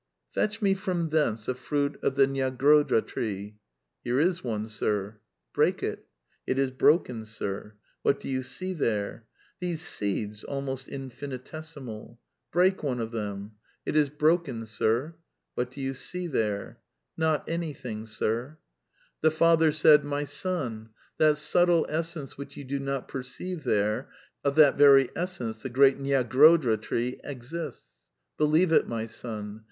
*'' Fetch me from thence a fruit of the Nyagrodha tree.' "'Here is one. Sir.' "' Break it.' «' It is broken. Sir.' "' What do you see there? '^ These seeds, almost in£nitesimaL' "'Break one of them.' «' It is broken. Sir.' "*What do you see there?' 272 A DEFENCE OF IDEALISM «' Not anything, Sir.* ^'The father said: 'My Bon, that subtle essence which you do not perceive there, of that very essence the great Nyagrodha tree exists. ''' Believe it, my son.